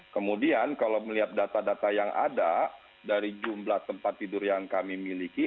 kemudian kalau melihat data data yang ada dari jumlah tempat tidur yang kami miliki